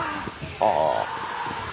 ああ。